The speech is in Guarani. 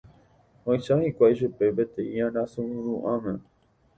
Ohecha hikuái chupe peteĩ arasa ru'ãme.